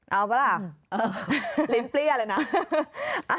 เอาปะล่ะลิ้นเปรี้ยเลยนะ